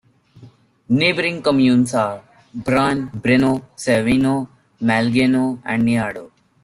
Neighbouring communes are Braone, Breno, Cerveno, Malegno and Niardo.